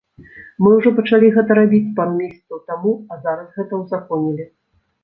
Мы ўжо пачалі гэта рабіць пару месяцаў таму, а зараз гэта узаконілі.